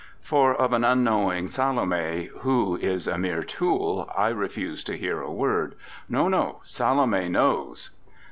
For of an unknowing Salome, who is a mere tool, I refuse to hear a word; no, no, Salome knows.